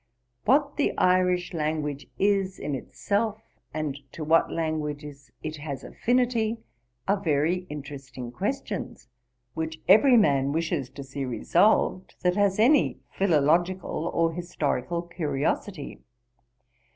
What the Irish language is in itself, and to what languages it has affinity, are very interesting questions, which every man wishes to see resolved that has any philological or historical curiosity.